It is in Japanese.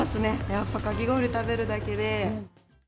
やっぱかき氷食べるだけで。